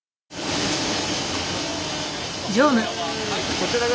こちらは？